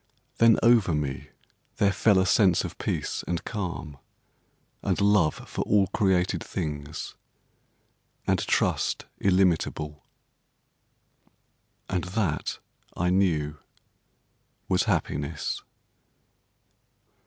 Then over me there fell a sense of peace and calm, and love for all created things, and trust illimitable. And that I knew was happiness.